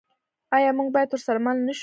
آیا موږ باید ورسره مل نشو؟